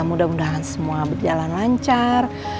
mudah mudahan semua berjalan lancar